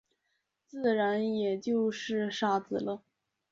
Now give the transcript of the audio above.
自然也就是傻子了。